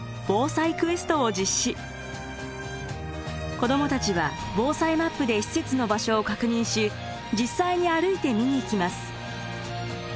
子どもたちは防災マップで施設の場所を確認し実際に歩いて見に行きます。